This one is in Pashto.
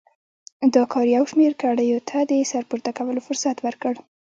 دا کار یو شمېر کړیو ته د سر پورته کولو فرصت ورکړ.